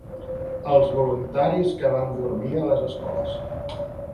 Als voluntaris que van dormir a les escoles.